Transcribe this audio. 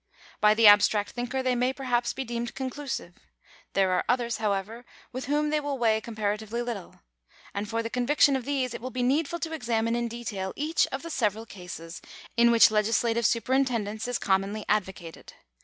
By the abstract thinker they may perhaps be deemed conclusive. There are others, however, with whom they will weigh comparatively little ; and, for the con viction of these, it will be needful to examine in detail each of the several cases in which legislative superintendence is commonly advocated.